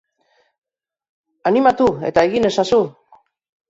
Animatu eta egin ezazu.